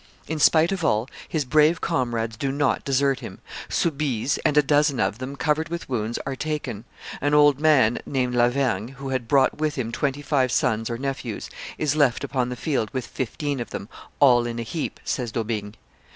In spite of all, his brave comrades do not desert him; Soubise and a dozen of them, covered with wounds, are taken; an old man, named La Vergne, who had brought with him twenty five sons or nephews, is left upon the field with fifteen of them, 'all in a heap,' says D'Aubigne.